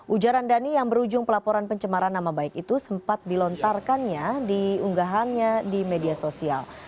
ujaran dhani yang berujung pelaporan pencemaran nama baik itu sempat dilontarkannya di unggahannya di media sosial